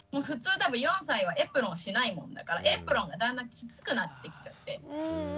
普通多分４歳はエプロンしないもんだからエプロンがだんだんきつくなってきちゃって。